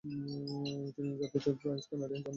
তিনি জাতিতে French Canadian, German এবং আইরিশ বংশদ্ভুত।